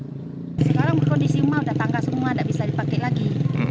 sekarang berkondisi mal datangkan semua tidak bisa dipakai lagi